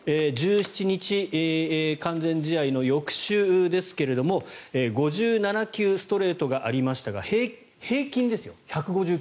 １７日、完全試合の翌週ですが５７球ストレートがありましたが平均で１５９ｋｍ。